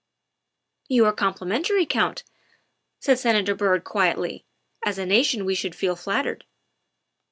" You are complimentary, Count," said Senator Byrd quietly; " as a nation we should feel flattered."